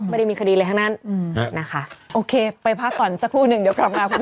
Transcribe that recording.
ไม่ได้มีคดีเลยข้างนั้นอืมนะคะโอเคไปพักก่อนสักครู่หนึ่งเดี๋ยวกลับมา